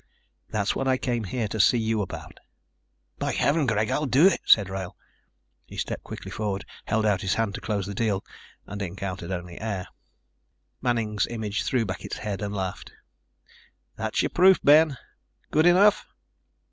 That's what I came here to see you about." "By Heaven, Greg, I'll do it," said Wrail. He stepped quickly forward, held out his hand to close the deal, and encountered only air. Manning's image threw back its head and laughed. "That's your proof, Ben. Good enough?"